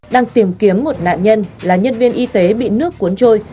đang tìm kiếm một nạn nhân là nhân viên y tế bị nước cuốn trôi